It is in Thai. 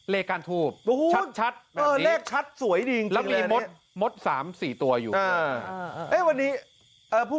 เลขการทูบชัดแบบนี้แล้วมีมด๓๔ตัวอยู่